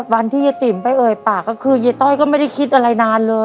วันที่ยายติ๋มไปเอ่ยปากก็คือยายต้อยก็ไม่ได้คิดอะไรนานเลย